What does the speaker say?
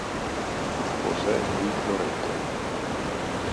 José Luis Loreto